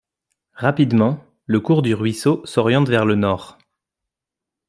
Rapidement, le cours du ruisseau s'oriente vers le nord.